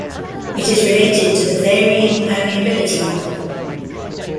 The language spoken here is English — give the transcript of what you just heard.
It is related to the Varying Permeability Model.